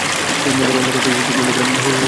ঘর অন্ধকার, তবু চোখ বন্ধ করলেই হলুদ আলো দেখ যায়।